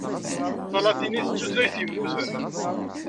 Talatinit d tutlayt yemmuten.